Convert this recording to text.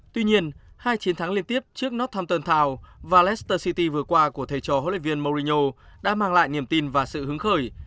tuy nhiên hai chiến thắng liên tiếp trước northampton town và leicester city vừa qua của thầy trò hội luyện viên mourinho đã mang lại niềm tin và sự hứng khởi